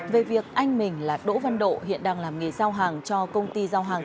về việc anh mình là đỗ văn độ hiện đang làm nghề giao hàng cho công ty giao hàng